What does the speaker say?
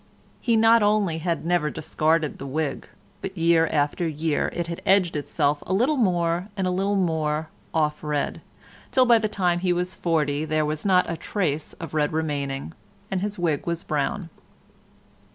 He not only had never discarded his wig, but year by year it had edged itself a little more and a little more off red, till by the time he was forty, there was not a trace of red remaining, and his wig was brown.